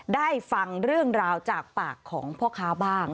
ได้ฟังเรื่องราวจากปากของพ่อค้าบ้าง